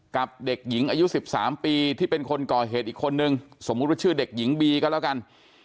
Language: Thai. กับเด็กหญิงอายุ๑๓ปีที่เป็นคนก่อเหตุอีกคนนึงสมมุติว่าชื่อเด็กหญิงบีก็แล้วกัน